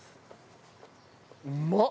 うまっ！